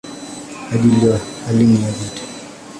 Hadi leo hali ni ya vita.